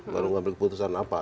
baru ngambil keputusan apa